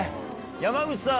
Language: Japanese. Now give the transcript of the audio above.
山口さん